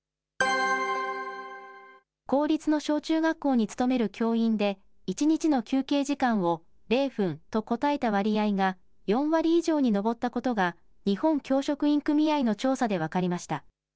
公立の小中学校に勤める教員で、１日の休憩時間を０分と答えた割合が４割以上に上ったことが、日本教職員組合の調査で分かりました。